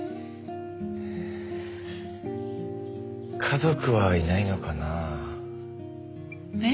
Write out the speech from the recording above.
家族はいないのかなぁ？え？